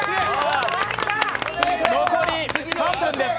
残り３分です。